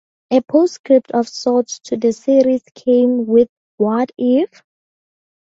A postscript of sorts to the series came with What If...?